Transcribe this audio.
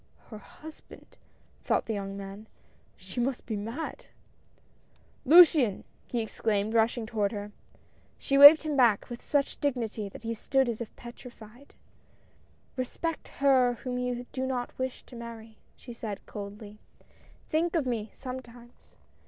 "Her husband!" thought the young man. "She must be mad I "" Luciane I " he exclaimed, rushing toward her. She waived him back, with such dignity, that he stood as if petrified. " Respect her whom you do not wish to marry," she said, coldly. " Think of me, sometimes.